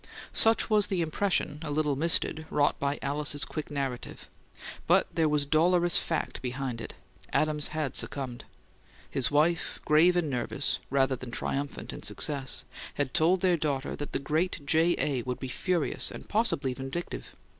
Such was the impression, a little misted, wrought by Alice's quick narrative. But there was dolorous fact behind it: Adams had succumbed. His wife, grave and nervous, rather than triumphant, in success, had told their daughter that the great J. A. would be furious and possibly vindictive.